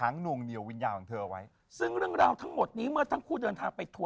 แจ๊คจิลวันนี้เขาสองคนไม่ได้มามูเรื่องกุมาทองอย่างเดียวแต่ว่าจะมาเล่าเรื่องประสบการณ์นะครับ